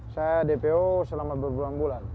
saya dpo selama berbulan bulan